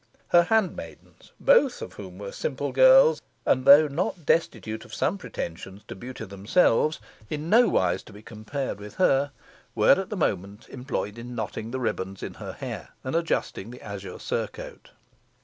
Her handmaidens, both of whom were simple girls, and though not destitute of some pretensions to beauty themselves, in nowise to be compared with her, were at the moment employed in knotting the ribands in her hair, and adjusting the azure surcoat.